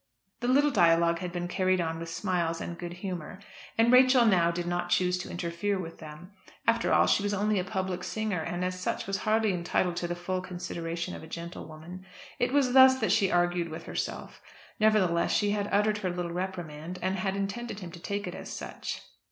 The little dialogue had been carried on with smiles and good humour, and Rachel now did not choose to interfere with them. After all she was only a public singer, and as such was hardly entitled to the full consideration of a gentlewoman. It was thus that she argued with herself. Nevertheless she had uttered her little reprimand and had intended him to take it as such.